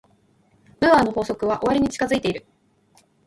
ムーアの法則は終わりに近づいている。